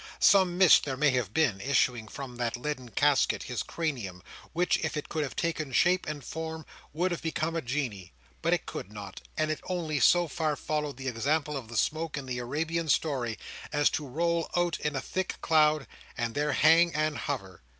Some mist there may have been, issuing from that leaden casket, his cranium, which, if it could have taken shape and form, would have become a genie; but it could not; and it only so far followed the example of the smoke in the Arabian story, as to roll out in a thick cloud, and there hang and hover.